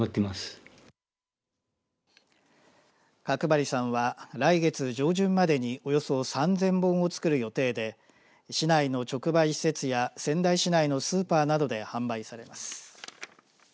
角張さんは来月上旬までに、およそ３０００本を作る予定で市内の直売施設や仙台市内のスーパーなどで販売されます。